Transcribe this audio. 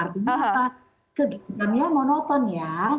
artinya kegiatannya monoton ya